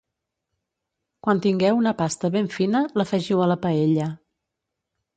Quan tingueu una pasta ben fina, l'afegiu a la paella